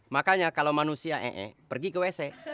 makanya kalau manusia ee pergi ke wc